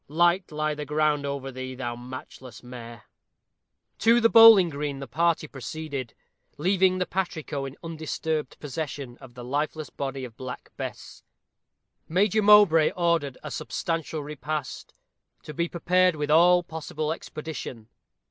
Light lie the ground over thee, thou matchless mare!" To the Bowling green the party proceeded, leaving the patrico in undisturbed possession of the lifeless body of Black Bess. Major Mowbray ordered a substantial repast to be prepared with all possible expedition.